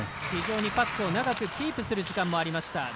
非常にパックを長くキープする時間帯もありました。